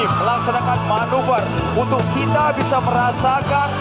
melaksanakan manuver untuk kita bisa merasakan